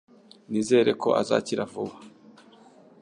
Nizere ko azakira vuba